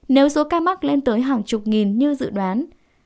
nếu số ca mắc lên tới hàng chục nghìn như dự đoán